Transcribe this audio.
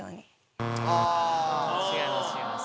違います